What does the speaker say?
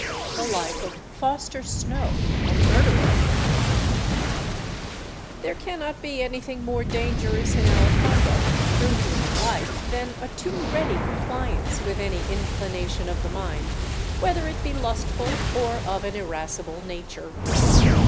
The Life of FOSTER SNOW, a Murderer There cannot be anything more dangerous in our conduct through human life, than a too ready compliance with any inclination of the mind, whether it be lustful or of an irascible nature.